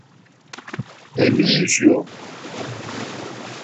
Remígio